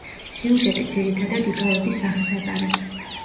სიუჟეტი ძირითადად იგავების სახეს ატარებს.